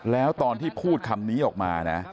แล้วตอนที่พูดคำนี้ออกมานะ